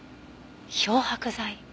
漂白剤。